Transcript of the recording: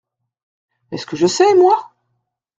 Est-ce que je sais, moi ?